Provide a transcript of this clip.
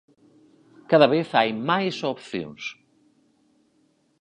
Cada vez hai máis opcións.